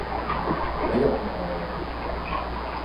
係入內啊